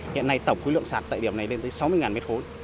hiện nay tổng quy lượng sạt tại điểm này lên tới sáu mươi m ba